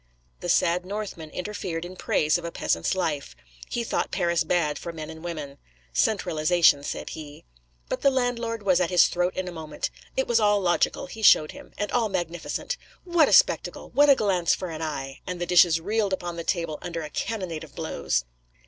The sad Northman interfered in praise of a peasant's life; he thought Paris bad for men and women; 'centralisation,' said he— But the landlord was at his throat in a moment. It was all logical, he showed him; and all magnificent. 'What a spectacle! What a glance for an eye!' And the dishes reeled upon the table under a cannonade of blows.